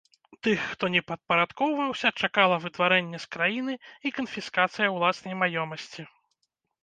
Тых, хто не падпарадкоўваўся, чакала выдварэнне з краіны і канфіскацыя ўласнай маёмасці.